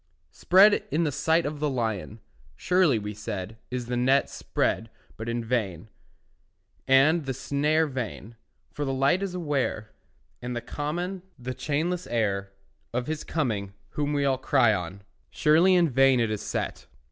Spread in the sight of the lion, Surely, we said, is the net Spread but in vain, and the snare Vain; for the light is aware, And the common, the chainless air, Of his coming whom all we cry on; Surely in vain is it set.